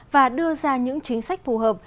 và đưa ra những chính sách phù hợp